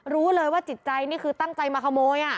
รู้เลยว่าจิตใจนี่คือตั้งใจมาขโมย